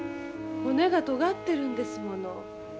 骨がとがってるんですもの。